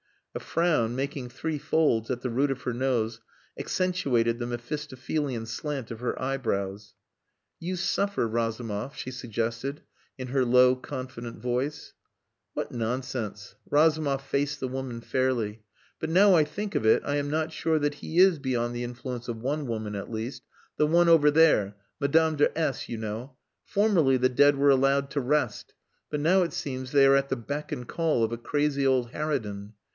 A frown, making three folds at the root of her nose, accentuated the Mephistophelian slant of her eyebrows. "You suffer, Razumov," she suggested, in her low, confident voice. "What nonsense!" Razumov faced the woman fairly. "But now I think of it, I am not sure that he is beyond the influence of one woman at least; the one over there Madame de S , you know. Formerly the dead were allowed to rest, but now it seems they are at the beck and call of a crazy old harridan.